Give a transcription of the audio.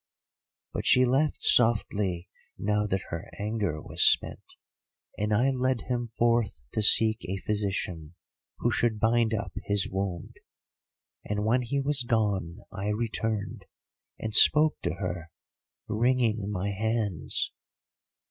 "But she laughed softly now that her anger was spent, and I led him forth to seek a physician, who should bind up his wound. And when he was gone, I returned, and spoke to her, wringing my hands.